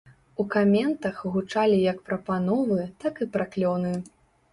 У каментах гучалі як прапановы, так і праклёны.